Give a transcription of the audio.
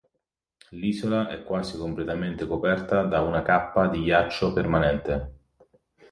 L'isola è quasi completamente coperta da una cappa di ghiaccio permanente.